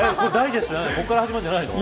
ここから始まるんじゃないの。